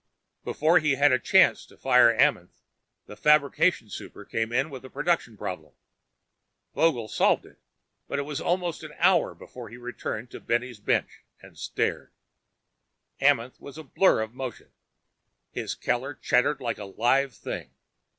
Before he had a chance to fire Amenth, the Fabrication Super came in with a production problem. Vogel solved it, but it was almost an hour before he returned to Benny's bench and stared. Amenth was a blur of motion. His Keller chattered like a live thing.